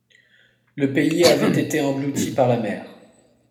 le pays avait été englouti par la mer.